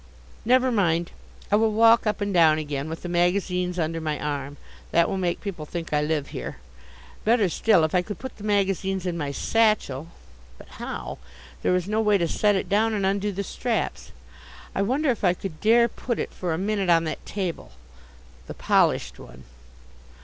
Never mind. I will walk up and down again with the magazines under my arm. That will make people think I live here. Better still if I could put the magazines in my satchel. But how? There is no way to set it down and undo the straps. I wonder if I could dare put it for a minute on that table, the polished one